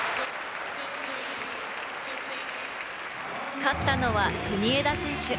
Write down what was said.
勝ったのは国枝選手。